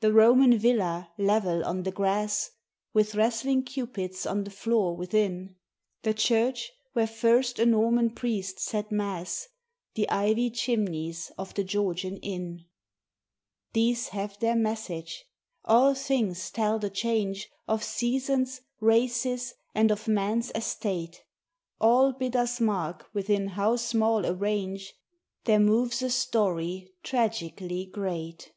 The Roman villa level on the grass, With wrestling cupids on the floor within; The church where first a Norman priest said mass, The ivied chimneys of the Georgian inn: These have their message. All things tell the change Of seasons, races, and of man's estate: All bid us mark within how small a range There moves a story tragically great.